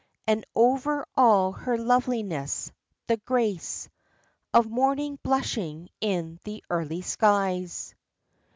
And over all her loveliness, the grace Of Morning blushing in the early skies.